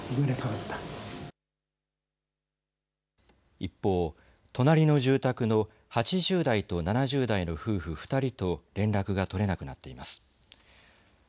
一方、隣の住宅の８０代と７０代の夫婦２人と連絡が取れなくなっています。